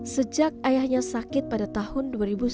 sejak ayahnya sakit pada tahun dua ribu sembilan